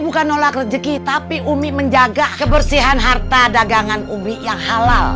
bukan nolak rezeki tapi umi menjaga kebersihan harta dagangan umi yang halal